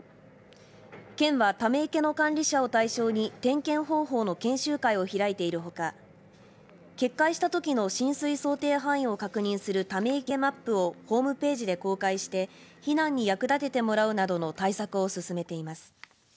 県はため池の管理者を対象に点検方法の研修会を開いているほか決壊した時の浸水想定範囲を確認するため池マップをホームページで公開して避難に役立ててもらうなどの対策を進めています。